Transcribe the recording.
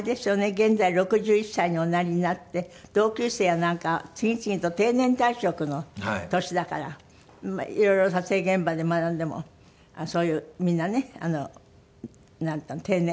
現在６１歳におなりになって同級生やなんかは次々と定年退職の年だから色々撮影現場でもなんでもそういうみんなね定年？